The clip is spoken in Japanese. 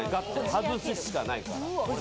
外すしかないから。